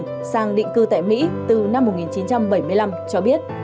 tổ chức khủng bố việt tân tại mỹ từ năm một nghìn chín trăm bảy mươi năm cho biết